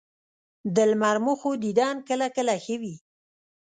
د لمر مخو دیدن کله کله ښه وي